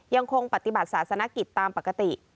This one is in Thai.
ยังคงปฏิบัติศาสนกิจตามปกติ